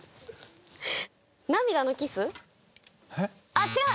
あっ違う！